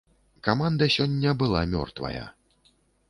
Каманда сёння была мёртвая.